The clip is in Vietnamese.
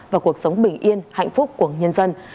và cuộc sống bình yên hạnh phúc của nhân dân